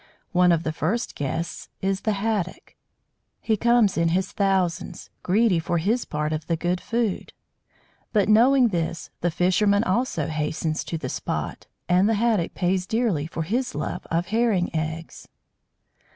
One of the first guests is the Haddock. He comes in his thousands, greedy for his part of the good food; but, knowing this, the fishermen also hasten to the spot, and the Haddock pays dearly for his love of Herring eggs.